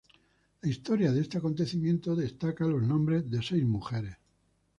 La historia de este acontecimiento destaca los nombres de seis mujeres.